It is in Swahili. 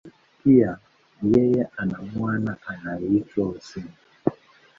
Pia, yeye ana mwana anayeitwa Hussein.